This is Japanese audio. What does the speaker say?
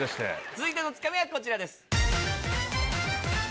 続いてのツカミはこちらです。